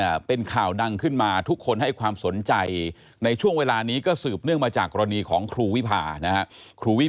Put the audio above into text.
ยาท่าน้ำขาวไทยนครเพราะทุกการเดินทางของคุณจะมีแต่รอยยิ้ม